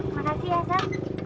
terima kasih ya sam